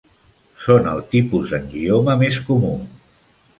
Són el tipus d'angioma més comú.